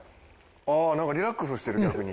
ああなんかリラックスしてる逆に。